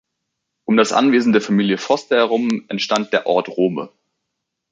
Um das Anwesen der Familie Foster herum entstand der Ort Rome.